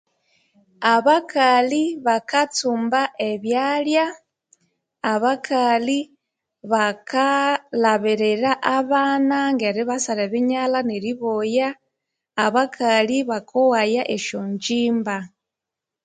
Abakali bakatsumba ebyalya, abakali bakalhabirira abana, ngeribasara ebinyalha neri boya, abakali bakoghaya esyongyimba.